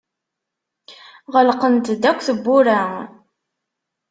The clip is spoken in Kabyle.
Ɣelqent-d akk tewwura.